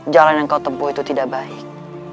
jalan yang kau tempuh itu tidak baik